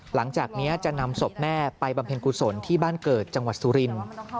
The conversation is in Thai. หลังจากนี้จะนำศพแม่ไปบำเพ็ญกุศลที่บ้านเกิดจังหวัดสุรินทร์